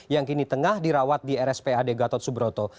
yang kini tengah dirawat di rspad gatot subroto